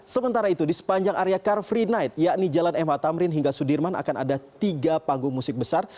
sementara itu di sepanjang area car free night yakni jalan mh tamrin hingga sudirman akan ada tiga panggung musik besar